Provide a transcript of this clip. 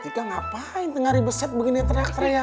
tiga tiga ngapain tengah ribet begini teriak teriak